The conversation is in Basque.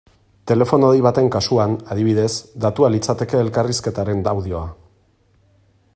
Telefono dei baten kasuan, adibidez, datua litzateke elkarrizketaren audioa.